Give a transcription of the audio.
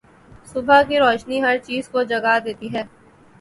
صبح کی روشنی ہر چیز کو جگا دیتی ہے۔